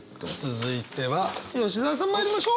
続いては吉澤さんまいりましょう！